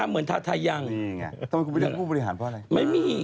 ครับเหมือนท่าทายังเนี่ยทำไมไม่ได้ฟุบริหารเพราะอะไรไม่มี